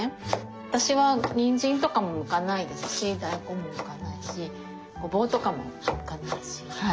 私はにんじんとかもむかないですし大根もむかないしごぼうとかもむかないしはい。